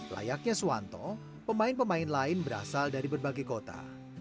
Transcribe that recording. layaknya suwanto pemain pemain lain berasal dari berbagai kota